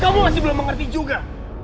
kamu masih belum mengerti juga